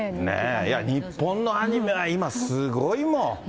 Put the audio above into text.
いや、日本のアニメは今、すごいもん。